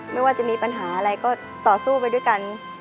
ไม่ว่าจะมีปัญหาอะไรก็ต่อสู้ไปด้วยกัน